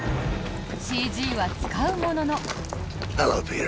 ＣＧは使うものの。